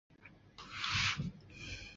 他的党籍是共和党。